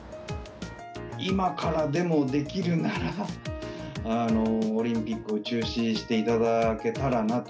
今からでも、できるならオリンピックを中止していただけたらなと。